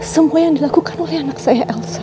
semua yang dilakukan oleh anak saya elsa